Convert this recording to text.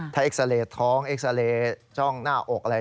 ถ้าเอ็กซาเรย์ท้องเอ็กซาเรย์จ้องหน้าอกอะไร